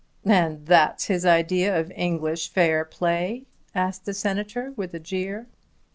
"And that's his idea of English fair play?" asked the Senator with a jeer.